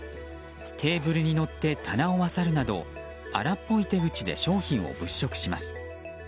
テーブルに乗って棚をあさるなど荒っぽい手口で商品を物色します。